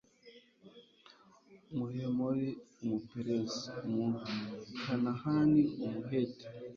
umuhemori, umuperizi, umukanahani, umuheti